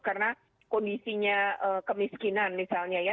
karena kondisinya kemiskinan misalnya ya